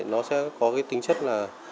nó sẽ có tính chất là